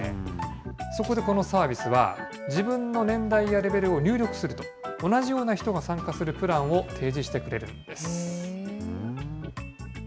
そこでこのサービスは、自分の年代やレベルを入力すると、同じような人が参加するプランを提示してくれるんです。